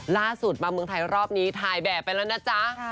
ล่าสุดมาเมืองไทยรอบนี้ถ่ายแบบไปแล้วนะจ๊ะ